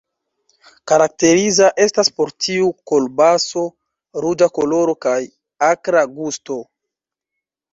Karakteriza estas por tiu kolbaso ruĝa koloro kaj akra gusto.